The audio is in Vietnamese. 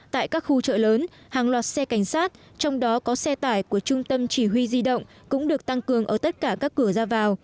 tại các khu chợ lớn hàng loạt xe cảnh sát trong đó có xe tải của trung tâm chỉ huy di động cũng được tăng cường ở tất cả các cửa ra vào